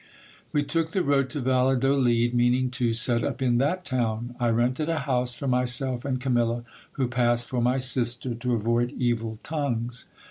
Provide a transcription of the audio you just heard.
We took the road to Valladolid, meaning to set up in that town. I rented a house for myself and Camilla, who passed for my sister, to avoid evil tongues.